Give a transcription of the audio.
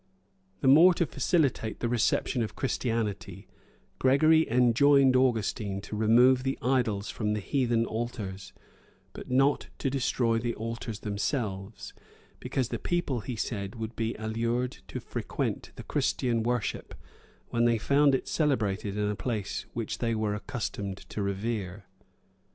The more to facilitate the reception of Christianity, Gregory enjoined Augustine to remove the idols from the heathen altars, but not to destroy the altars themselves; because the people, he said, would be allured to frequent the Christian worship, when they found it celebrated in a place which they were accustomed to revere.